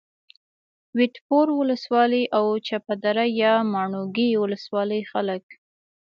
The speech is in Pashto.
وټپور ولسوالي او چپه دره یا ماڼوګي ولسوالۍ خلک